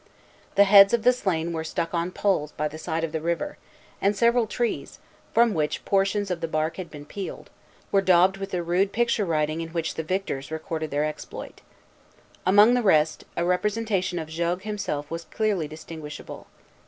The heads of the slain were stuck on poles by the side of the river; and several trees, from which portions of the bark had been peeled, were daubed with the rude picture writing in which the victors recorded their exploit. Among the rest, a representation of Jogues himself was clearly distinguishable.